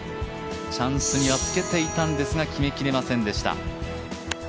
チャンスにはつけていたんですが決めきれませんでした。